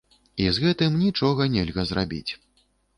І з гэтым нічога нельга зрабіць.